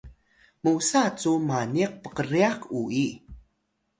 musa cu maniq pkryax uyi